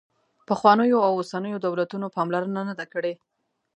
پخوانیو او اوسنیو دولتونو پاملرنه نه ده کړې.